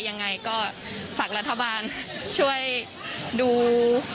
ยังไงก็ฝากรัฐบาลช่วยดู